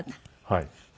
はい。